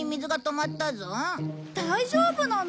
大丈夫なの？